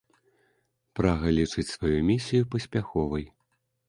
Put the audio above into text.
Прага лічыць сваю місію паспяховай.